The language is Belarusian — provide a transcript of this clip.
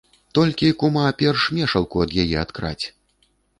Толькі, кума, перш мешалку ад яе адкрадзь.